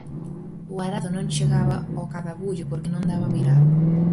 O arado non chegaba ao cadabullo porque non daba virado.